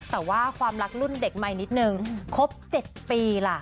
แต่ว่าความรักรุ่นเด็กใหม่นิดนึงครบ๗ปีล่ะ